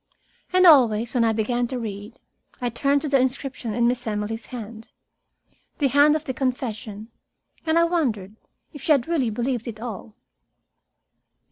And always, when I began to read, I turned to the inscription in Miss Emily's hand, the hand of the confession and I wondered if she had really believed it all.